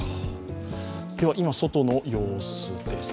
今、外の様子です